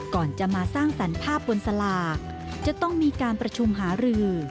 ก่อนจะมาสร้างสรรค์ภาพบนสลากจะต้องมีการประชุมหารือ